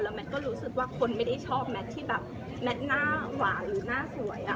แมทก็รู้สึกว่าคนไม่ได้ชอบแมทที่แบบแมทหน้าหวานหรือหน้าสวย